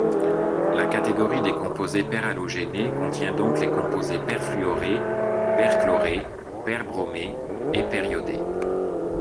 La catégorie des composés perhalogénés contient donc les composés perfluorés, perchlorés, perbromés et periodés.